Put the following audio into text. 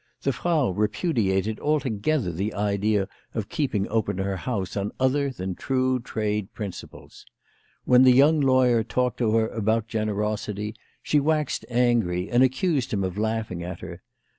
The Frau repudiated alto gether the idea of keeping open her house on other than true trade principles. When the young lawyer talked to her about generosity she waxed angry, and accused him of laughing at her.